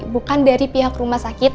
bukan dari pihak rumah sakit